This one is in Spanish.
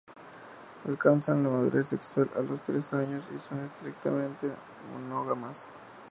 Alcanzan la madurez sexual a los tres años y son estrictamente monógamas.